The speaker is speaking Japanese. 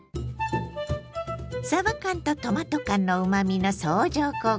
さば缶とトマト缶のうまみの相乗効果が最強！